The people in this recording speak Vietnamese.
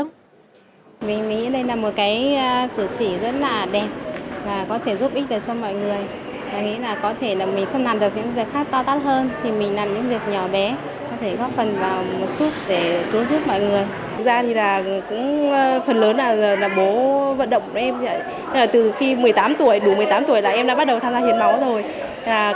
phần lớn là bố vận động em từ khi một mươi tám tuổi đủ một mươi tám tuổi là em đã bắt đầu tham gia hiến máu rồi